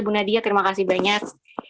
bu nadia terima kasih banyak